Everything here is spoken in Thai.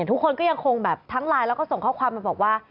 ทุกคนก็ยังคงแบบทั้งไลน์แล้วก็ส่งข้อความมาบอกว่า